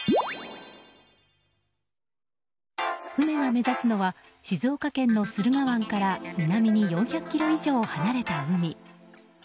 船が目指すのは静岡県の駿河湾から南に４００ｋｍ以上離れた海。